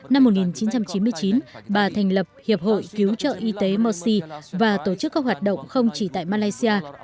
năm một nghìn chín trăm chín mươi chín bà thành lập hiệp hội cứu trợ y tế malaysia và tổ chức các hoạt động không chỉ tại malaysia